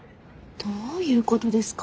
どういうことですか？